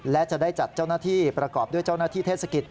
และจะได้จัดเจ้าหน้าที่ประกอบด้วยเจ้าหน้าที่เทศกิจ